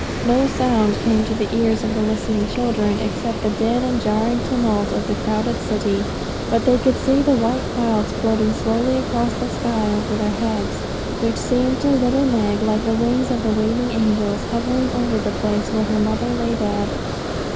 No sound came to the ears of the listening children except the din and jarring tumult of the crowded city; but they could see the white clouds floating slowly across the sky over their heads, which seemed to little Meg like the wings of the waiting angels, hovering over the place where her mother lay dead.